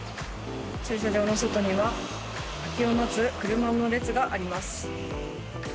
駐車場の外には空きを待つ車の列があります。